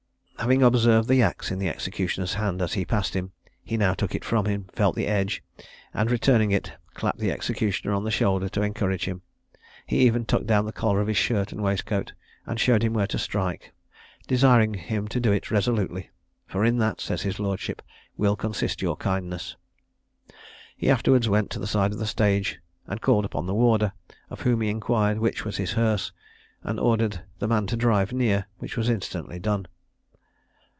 Having observed the axe in the executioner's hand as he passed him, he now took it from him, felt the edge, and, returning it, clapped the executioner on the shoulder to encourage him; he even tucked down the collar of his shirt and waistcoat, and showed him where to strike, desiring him to do it resolutely, "for in that," says his lordship, "will consist your kindness." He afterwards went to the side of the stage and called up the warder, of whom he inquired which was his hearse, and ordered the man to drive near, which was instantly done.